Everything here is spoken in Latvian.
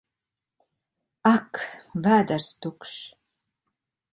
Ak! Vēders tukšs!